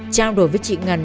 trao đổi với chị ngân